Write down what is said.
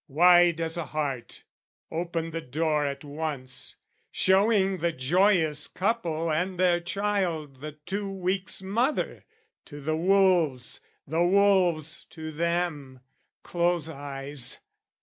Wide as a heart, opened the door at once, Showing the joyous couple, and their child The two weeks' mother, to the wolves, the wolves To them. Close eyes!